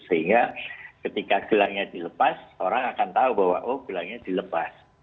sehingga ketika gelangnya dilepas orang akan tahu bahwa oh gelangnya dilepas